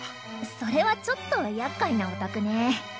それはちょっとやっかいなオタクね。